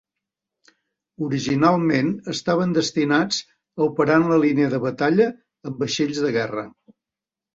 Originalment estaven destinats a operar en la línia de batalla amb vaixells de guerra.